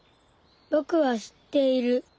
ぼくは知っている。